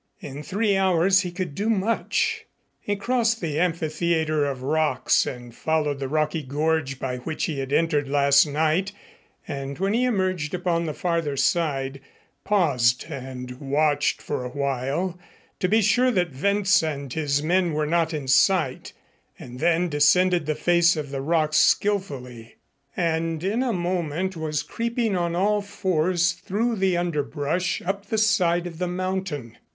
In three hours he could do much. He crossed the amphitheater of rocks and followed the rocky gorge by which he had entered last night and when he emerged upon the farther side, paused and watched for a while to be sure that Wentz and his men were not in sight and then descended the face of the rocks skillfully and in a moment was creeping on all fours through the underbrush up the side of the mountain.